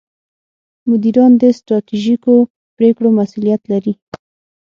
مدیران د ستراتیژیکو پرېکړو مسوولیت لري.